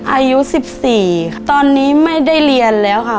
อายุ๑๔ค่ะตอนนี้ไม่ได้เรียนแล้วค่ะ